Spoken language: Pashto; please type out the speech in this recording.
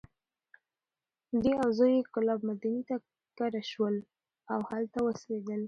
دی او زوی یې کلاب، مدینې ته کډه شول. او هلته اوسېدل.